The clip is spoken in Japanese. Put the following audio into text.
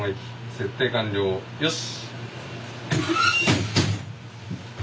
設定完了よし。